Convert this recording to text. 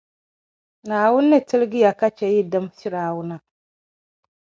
Naawuni ni tilgi ya ka chɛ yi dim Fir’auna.